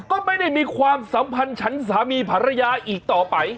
ก็ไม่ได้มีความสัมพันธ์ฉันสามีภรรยาอีกต่อไป